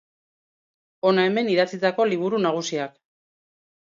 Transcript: Hona hemen idatzitako liburu nagusiak.